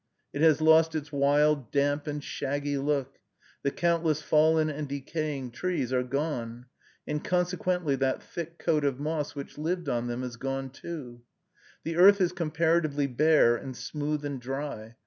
It has lost its wild, damp, and shaggy look; the countless fallen and decaying trees are gone, and consequently that thick coat of moss which lived on them is gone too. The earth is comparatively bare and smooth and dry.